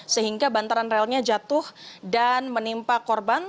sehingga bantaran relnya jatuh dan menimpa korban